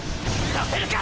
させるか！